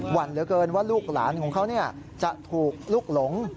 วันเหลือเกินว่าลูกหลานของเขาจะถูกลุกหลง